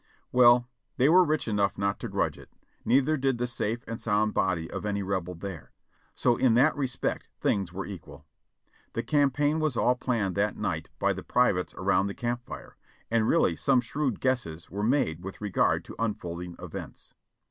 Well, they were rich enough not to gnidge it, neither did the safe and sound body of any Rebel there ; so in that respect things were equal. The campaign was all planned that night by the privates around the camp fire, and really some shrewd guesses were made v.'ith regard to unfolding events.